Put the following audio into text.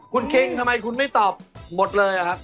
คุณคิงทำไมคุณไม่ตอบหมดเลยอะครับ